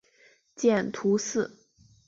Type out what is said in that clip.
见图四。